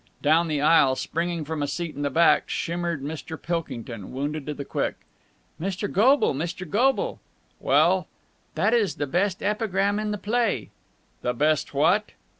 Down the aisle, springing from a seat at the back, shimmered Mr. Pilkington, wounded to the quick. "Mr. Goble! Mr. Goble!" "Well?" "That is the best epigram in the play." "The best what?"